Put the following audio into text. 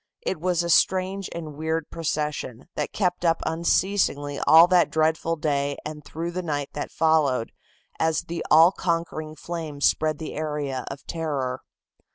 It was a strange and weird procession, that kept up unceasingly all that dreadful day and through the night that followed, as the all conquering flames spread the area of terror.